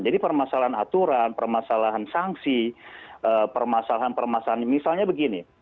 jadi permasalahan aturan permasalahan sanksi permasalahan permasalahan misalnya begini